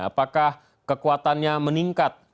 apakah kekuatannya meningkat